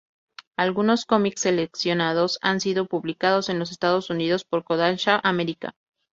Algunos cómics seleccionados han sido publicados en los Estados Unidos por "Kodansha America".